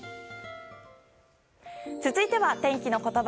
続いては天気のことば。